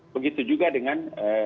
begitu juga dengan